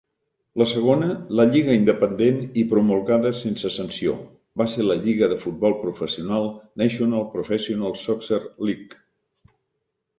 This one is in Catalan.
La segona, la lliga independent i promulgada sense sanció, va ser la lliga de futbol professional National Professional Soccer League.